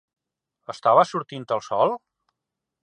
Estava sortint el sol?